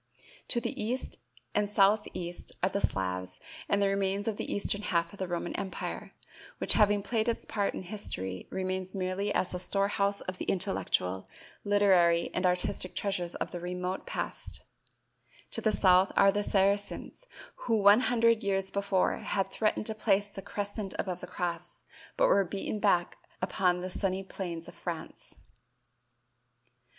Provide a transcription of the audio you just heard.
To the east and southeast are the Slavs and the remains of the eastern half of the Roman empire, which having played its part in history, remains merely as the storehouse of the intellectual, literary and artistic treasures of the remote past; to the south are the Saracens who one hundred years before had threatened to place the crescent above the cross, but were beaten back upon the sunny plains of France.